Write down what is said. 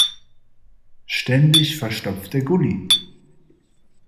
Ständig verstopft der Gully.